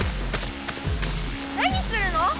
何するの！